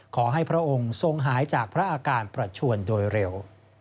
พระองค์ทรงหายจากพระอาการประชวนโดยเร็ว